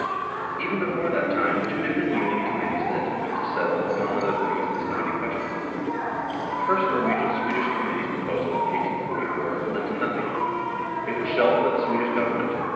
Even before that time two different Union com mittees had attempted to settle, among other things, this knotty question. The first Norwegian Swedish Committee's proposal (1844) led to nothing; it was shelved by the Swedish Government.